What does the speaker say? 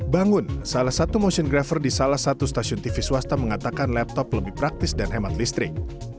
bangun salah satu motiongrafer di salah satu stasiun tv swasta mengatakan laptop lebih praktis dan hemat listrik